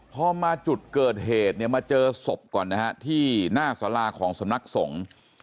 พอมาจุดเกิดเหตุเนี่ยมาเจอศพก่อนนะฮะที่หน้าสาราของสำนักสงฆ์